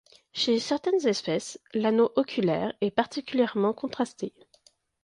Chez certaines espèces, l'anneau oculaire est particulièrement contrasté.